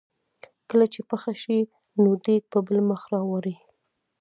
کله چې پخه شي نو دیګ په بل مخ واړوي.